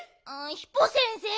ヒポ先生